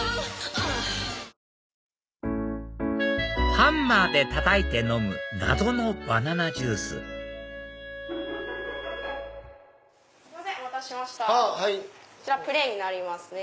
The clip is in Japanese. ハンマーでたたいて飲む謎のバナナジュースお待たせしましたこちらプレーンになりますね。